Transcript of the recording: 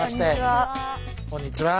こんにちは。